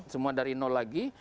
semua dari nol lagi